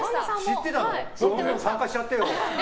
参加しちゃってよ。